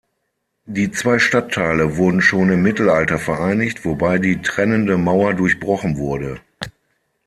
Die zwei Stadtteile wurden schon im Mittelalter vereinigt, wobei die trennende Mauer durchbrochen wurde.